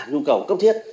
nhu cầu cấp thiết